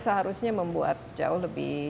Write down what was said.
seharusnya membuat jauh lebih